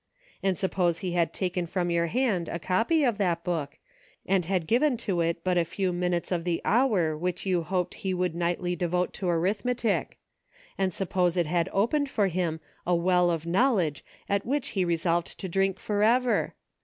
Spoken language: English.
And suppose he had taken from your hand a copy of that Book, and had given it but a few minutes of the hour which you hoped he would nightly devote to arithmetic ; and suppose it had opened for him a well of knowledge at which he resolved to drink forever